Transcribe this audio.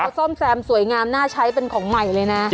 เขาซ่อมแซมสวยงามน่าใช้เป็นของใหม่เลยนะ